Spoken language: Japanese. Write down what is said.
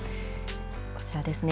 こちらですね。